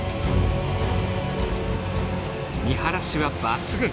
見晴らしは抜群。